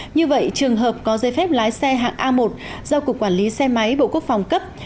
như vậy trường hợp có giấy phép lái xe hạng a một do cục quản lý xe máy bộ quốc phòng cấp